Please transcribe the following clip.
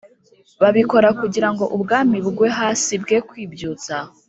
Babikora kugira ngo ubwami bugwe hasi bwe kwibyutsa